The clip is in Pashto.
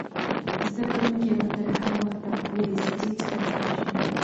زده کوونکې به تر هغه وخته پورې سټیج ته خیژي.